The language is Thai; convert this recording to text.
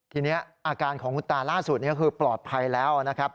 ทีนี้อาการของคุณตาล่าสุดนี้คือปลอดภัยแล้วนะครับ